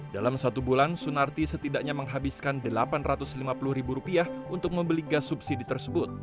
dalam satu bulan sunarti setidaknya menghabiskan rp delapan ratus lima puluh ribu rupiah untuk membeli gas subsidi tersebut